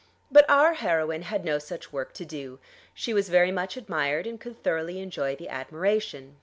But our heroine had no such work to do. She was very much admired and could thoroughly enjoy the admiration.